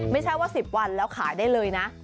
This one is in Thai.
ไม่ใช่ว่า๑๐วันแล้วขายได้เลยนะ